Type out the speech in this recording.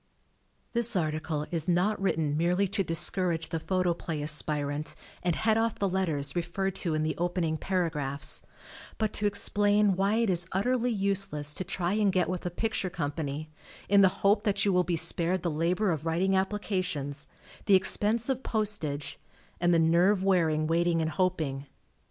This article is not written merely to discourage the Photoplay aspirant and head off the letters referred to in the opening paragraphs, but to explain why it is utterly useless to try and get with a picture company in the hope that you will be spared the labor of writing applica tions; the expense of postage and the nerve wearing waiting and hoping.